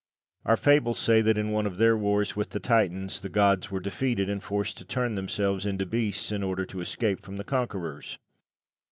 Our fables say that in one of their wars with the Titans the gods were defeated, and forced to turn themselves into beasts in order to escape from the conquerors.